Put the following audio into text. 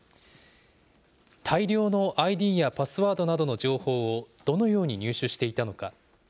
大量のＩＤやパスワードなどの情報をどのように入手していたのか。